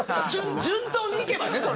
順当にいけばねそれは。